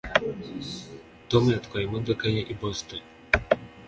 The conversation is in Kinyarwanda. tom yatwaye imodoka ye i boston